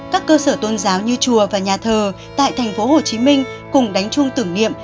các cơ sở tôn giáo như chùa và nhà thờ tại thành phố hồ chí minh cùng đánh chung tưởng niệm